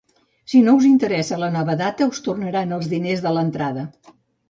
Si no us interessa la nova data, us tornaran els diners de l'entrada.